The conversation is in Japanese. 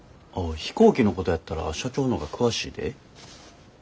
飛行機のことやったら社長の方が詳しいで？